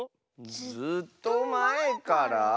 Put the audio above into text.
ずっとまえから？